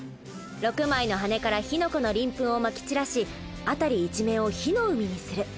６枚の羽から火の粉の鱗粉をまき散らしあたり一面を火の海にする。